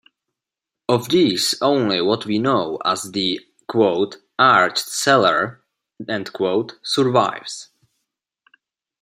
Of these only what we now know as the "arched cellar" survives.